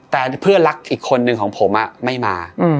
แต่เพื่อนรักอีกคนนึงของผมไม่มา